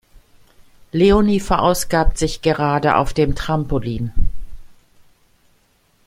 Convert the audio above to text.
Leonie verausgabt sich gerade auf dem Trampolin.